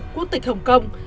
quốc tịch hồng kông